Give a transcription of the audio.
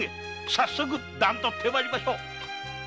早速段取って参りましょう。